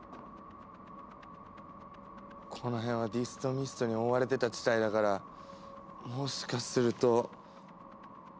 この辺はディストミストに覆われてた地帯だからもしかすると。